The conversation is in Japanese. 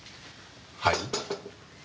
はい？